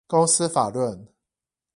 公司法論